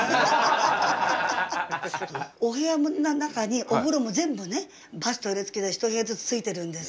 お部屋の中にお風呂も全部ねバストイレつきで１部屋ずつついてるんです。